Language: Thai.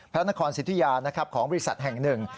พระนครสิทธิยานะครับของบริษัทแห่งหนึ่ง